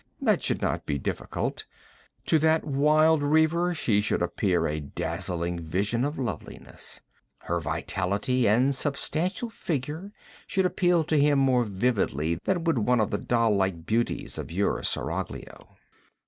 That should not be difficult. To that wild reaver she should appear a dazzling vision of loveliness. Her vitality and substantial figure should appeal to him more vividly than would one of the doll like beauties of your seraglio.'